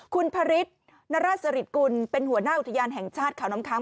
คุณพระฤทธนราชริตกุลเป็นหัวหน้าอุทยานแห่งชาติเขาน้ำค้าง